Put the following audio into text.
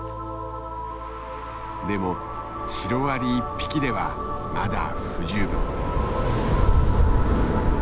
でもシロアリ１匹ではまだ不十分。